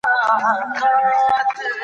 مطالعه د ټولنې د پرمختګ سبب کېږي.